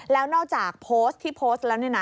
แล้วนอกจากโพสต์ที่โพสต์แล้ว